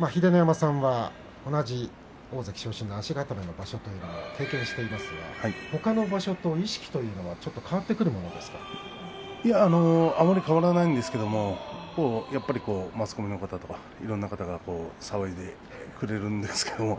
秀ノ山さんは同じ大関昇進の足固めの場所というのも経験していますがほかの場所という意識というのはあまり変わらないんですけどやっぱりマスコミの方とかいろんな方が騒いでくれるんですけど。